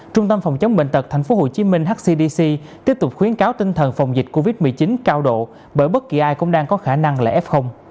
trung tâm phòng chống bệnh tật tp hcm hcdc tiếp tục khuyến cáo tinh thần phòng dịch covid một mươi chín cao độ bởi bất kỳ ai cũng đang có khả năng là f